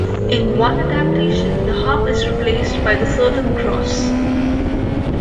In one adaptation, the Harp is replaced by the Southern Cross.